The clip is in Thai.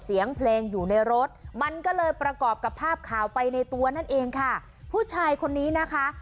เสียงเพลงอยู่ในรถมันก็เลยประกอบกับภาพข่าวไปในตัวนั่นเองค่ะผู้ชายคนนี้นะคะ